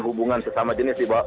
hubungan sesama jenis